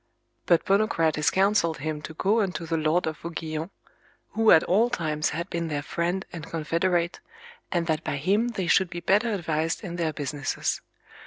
But Ponocrates counselled him to go unto the Lord of Vauguyon, who at all times had been their friend and confederate, and that by him they should be better advised in their business.